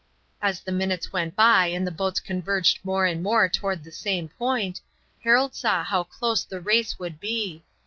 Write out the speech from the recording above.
As the minutes went by and the boats converged more and more toward the same point, Harold saw how close the race would be.